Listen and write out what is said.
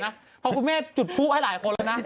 ขอบมากคุณแม่จุดพลุคให้หลายคนน่ะ